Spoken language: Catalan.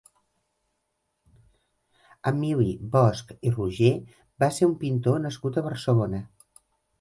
Emili Bosch i Roger va ser un pintor nascut a Barcelona.